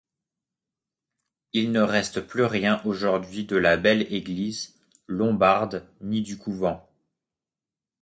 Il ne reste plus rien aujourd'hui de la belle église lombarde ni du couvent.